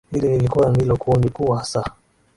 Hili lilikuwa ndilo kundi kuu hasa